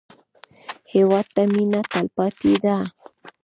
هېواد ته مېنه تلپاتې ده